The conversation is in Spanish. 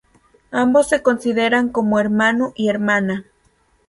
Ambos se consideran como hermano y hermana.